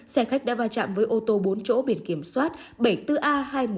xe khách đã va chạm với ô tô bốn chỗ biển kiểm soát bảy mươi bốn a hai mươi một nghìn tám trăm bốn mươi hai